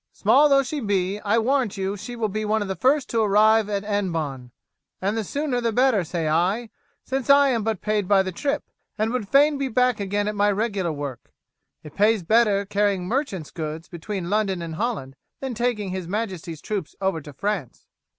Small though she be, I warrant you she will be one of the first to arrive at Hennebon, and the sooner the better say I, since I am but paid by the trip, and would fain be back again at my regular work. It pays better carrying merchants' goods between London and Holland than taking his majesty's troops over to France."